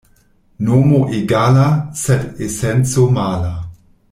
Nomo egala, sed esenco mala.